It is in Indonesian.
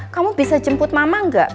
kamu bisa jemput mama nggak